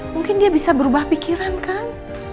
mungkin dia bisa berubah pikiran kan